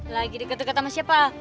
lagi diketuk ketuk sama siapa